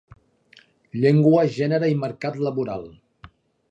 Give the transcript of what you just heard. Llengua, gènere i mercat laboral.